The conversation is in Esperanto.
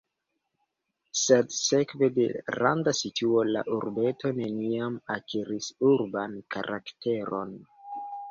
Sed sekve de randa situo la urbeto neniam akiris urban karakteron.